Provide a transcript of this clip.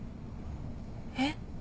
えっ？